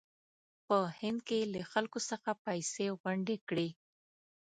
په هند کې یې له خلکو څخه پیسې غونډې کړې.